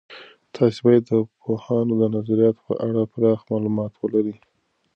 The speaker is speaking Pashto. تاسې باید د پوهاند نظریاتو په اړه پراخ معلومات ولرئ.